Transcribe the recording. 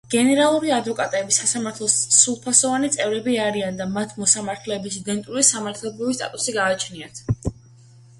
გენერალური ადვოკატები სასამართლოს სრულფასოვანი წევრები არიან და მათ მოსამართლეების იდენტური სამართლებრივი სტატუსი გააჩნიათ.